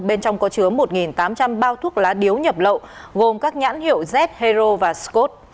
bên trong có chứa một tám trăm linh bao thuốc lá điếu nhập lậu gồm các nhãn hiệu z hero và scot